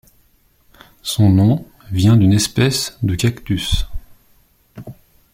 Son nom vient d'une espèce de cactus.